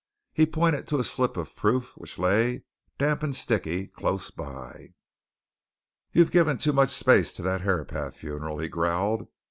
He pointed to a slip of proof which lay, damp and sticky, close by. "You've given too much space to that Herapath funeral," he growled.